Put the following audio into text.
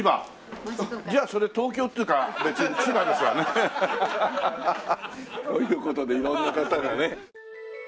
じゃあそれ東京っていうか別に千葉ですわね。という事で色んな方がね。